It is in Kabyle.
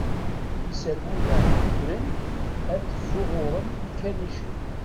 Iserwula udren, ad ẓuɣuren ikanicen.